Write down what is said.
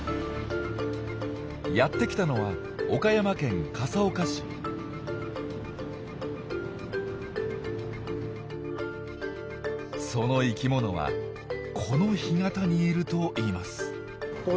やって来たのはその生きものはこの干潟にいるといいます。